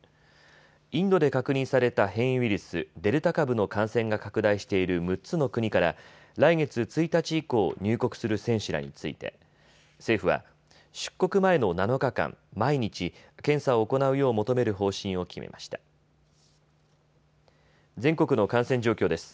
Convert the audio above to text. インドで確認された変異ウイルス、デルタ株の感染が拡大している６つの国から来月１日以降、入国する選手らについて政府は出国前の７日間、毎日検査を行うよう求める方針を決めました。